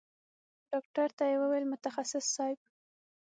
ډاکتر ته يې وويل متخصص صايب.